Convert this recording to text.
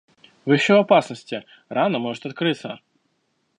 – Вы еще в опасности: рана может открыться.